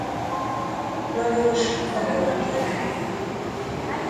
Lajos bajor király.